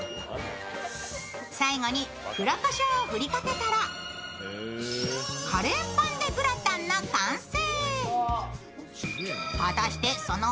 最後に黒こしょうを振りかけたら、カレーパンｄｅグラタンの完成。